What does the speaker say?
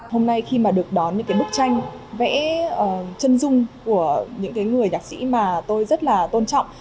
hôm nay khi mà được đón những cái bức tranh vẽ chân dung của những người nhạc sĩ mà tôi rất là tôn trọng